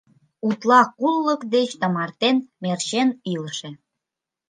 Утла куллык деч тымартен мерчен илыше.